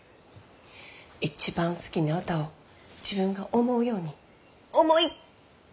一番好きな歌を自分が思うように思いっきり歌ってみ。